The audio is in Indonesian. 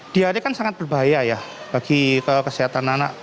diare kan sangat berbahaya ya bagi kesehatan anak